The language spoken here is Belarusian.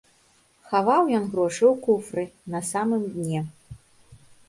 Хаваў ён грошы ў куфры на самым дне.